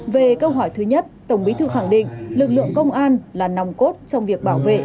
về câu hỏi thứ nhất tổng bí thư khẳng định lực lượng công an là nòng cốt trong việc bảo vệ